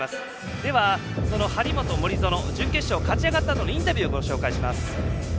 では、張本、森薗準決勝勝ち上がったあとのインタビュー、ご紹介します。